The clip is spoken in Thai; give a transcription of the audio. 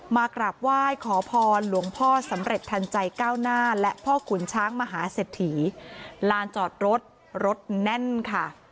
มากราบไหว้ขอพรหลวงพ่อสำเร็จทันใจก้าวหน้าและพ่อขุนช้างมหาเศรษฐีลานจอดรถรถแน่นค่ะ